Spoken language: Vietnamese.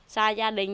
xa gia đình